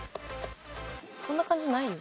こんな漢字ないよ。